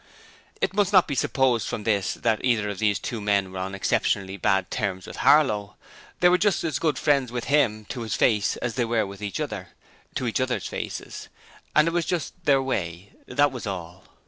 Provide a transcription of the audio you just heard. It must not be supposed from this that either of these two men were on exceptionally bad terms with Harlow; they were just as good friends with him to his face as they were with each other to each other's faces and it was just their way: that was all.